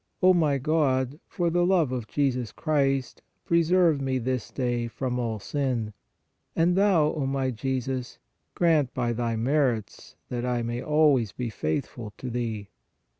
O my God, for the love of Jesus Christ, preserve me this day from all sin. And Thou, O my Jesus, grant by Thy merits that I may always be faithful to Thee.